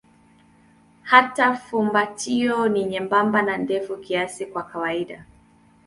Hata fumbatio ni nyembamba na ndefu kiasi kwa kawaida.